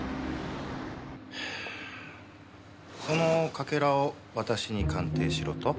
このかけらを私に鑑定しろと？